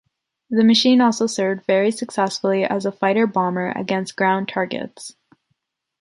The machine also served very successfully as a fighter-bomber against ground targets.